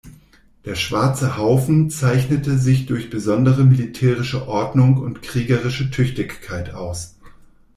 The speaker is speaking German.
Der Schwarze Haufen zeichnete sich durch besondere militärische Ordnung und kriegerische Tüchtigkeit aus.